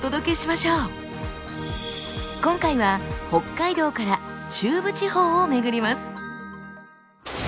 今回は北海道から中部地方を巡ります。